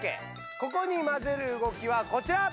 ここにまぜる動きはこちら！